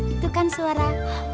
itu kan suara